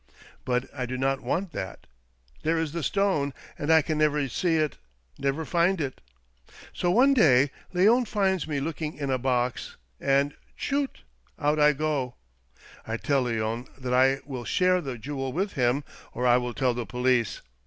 But I do not want that — there is the stone, and I can never see it, never find it. So one day Leon finds me looking in a box, and — chut ! out I go. I tell Leon that I will share the jewel with him or I will tell the police.